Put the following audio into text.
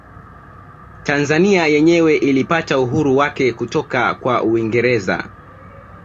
Tanzania yenyewe ilipata uhuru wake kutoka kwa Uingereza